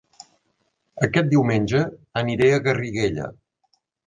Aquest diumenge aniré a Garriguella